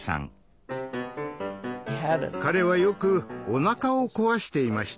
彼はよくおなかを壊していました。